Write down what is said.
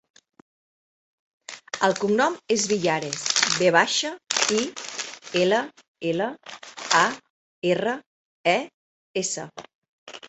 El cognom és Villares: ve baixa, i, ela, ela, a, erra, e, essa.